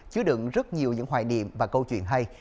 chứa đựng rất nhiều những hoài điểm và câu chuyện hay